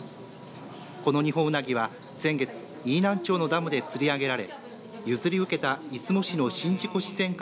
このニホンウナギは先月飯南町のダムで釣り上げられ譲り受けた出雲市の宍道湖自然館